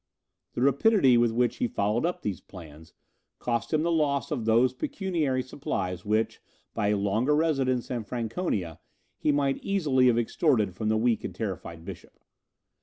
The rapidity with which he followed up these plans, cost him the loss of those pecuniary supplies which, by a longer residence in Franconia, he might easily have extorted from the weak and terrified bishop.